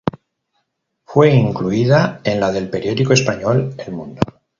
Fue incluida en la del periódico español "El Mundo".